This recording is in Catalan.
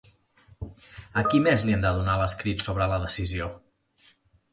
A qui més li han de donar l'escrit sobre la decisió?